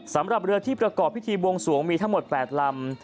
สำหรับเรือที่ประกอบพิธีบวงสวงมีทั้งหมด๘ลำ